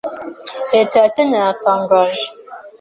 Leta ya Kenya yatangaje